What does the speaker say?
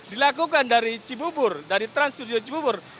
dilakukan dari trans studio cibubur